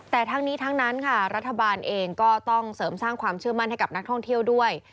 แต่ทั้งนี้ทั้งนั้นค่ะรัฐบาลเองก็ต้องเสริมสร้างความเชื่อมั่นให้กับนักท่องเที่ยวด้วย